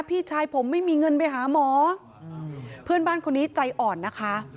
พี่ชายผมไม่มีเงินไปหาหมอเพื่อนบ้านคนนี้ใจอ่อนนะคะ